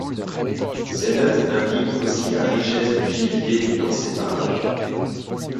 Ses notes indiquent aussi la richesse du gibier dans ces parages.